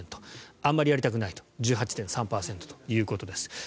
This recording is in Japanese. あまりやりたくない１８．３％ということです。